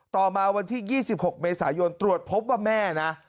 ต่อมาวันที่๒๖เมษายนตรวจพบว่าแม่นะ